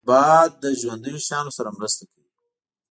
باد د ژوندیو شیانو سره مرسته کوي